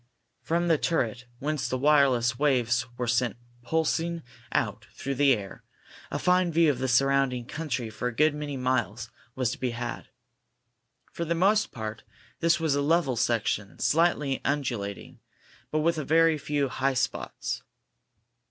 From the turret, whence the wireless waves were sent pulsing out through the air, a fine view of the surrounding country for a good many miles was to be had. For the most part this was a level section, slightly undulating, but with very few high spots.